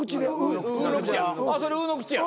それ「う」の口や。